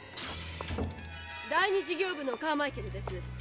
第２事業部のカーマイケルです。